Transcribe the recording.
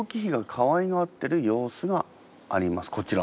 こちら。